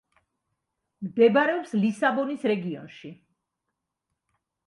მდებარეობს ლისაბონის რეგიონში.